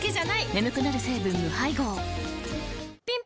眠くなる成分無配合ぴん